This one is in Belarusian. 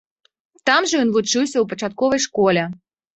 Там жа ён вучыўся ў пачатковай школе.